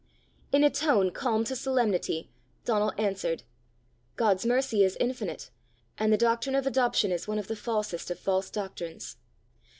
In a tone calm to solemnity, Donal answered "God's mercy is infinite; and the doctrine of Adoption is one of the falsest of false doctrines.